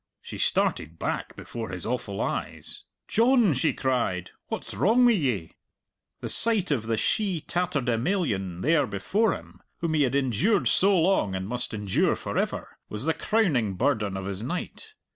She started back before his awful eyes. "John!" she cried, "what's wrong wi' ye?" The sight of the she tatterdemalion there before him, whom he had endured so long and must endure for ever, was the crowning burden of his night.